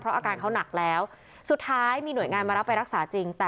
อาการเขาหนักแล้วสุดท้ายมีหน่วยงานมารับไปรักษาจริง